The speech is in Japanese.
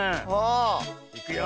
いくよ。